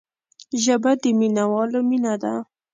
ژبه د مینوالو مینه ده